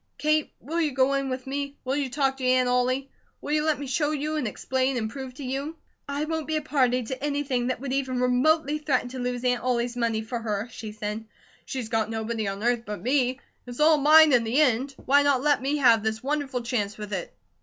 Kate, will you go in with me? Will you talk to Aunt Ollie? Will you let me show you, and explain, and prove to you?" "I won't be a party to anything that would even remotely threaten to lose Aunt Ollie's money for her," she said. "She's got nobody on earth but me. It's all mine in the end. Why not let me have this wonderful chance with it?